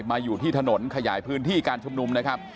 มาอยู่ที่ถนนขยายพื้นที่การชุมนุมนะครับ